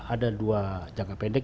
ada dua jangka pendek